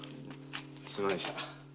すみませんでした。